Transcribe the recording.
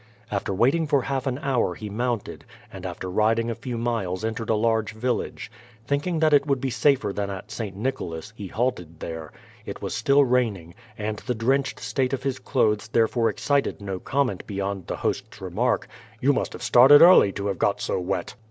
After waiting for half an hour he mounted, and after riding a few miles entered a large village. Thinking that it would be safer than at St. Nicholas, he halted here. It was still raining, and the drenched state of his clothes therefore excited no comment beyond the host's remark, "You must have started early to have got so wet?"